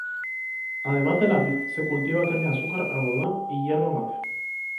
Además de la vid se cultiva caña de azúcar, algodón y yerba mate.